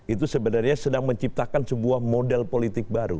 itu sebenarnya sedang menciptakan sebuah model politik baru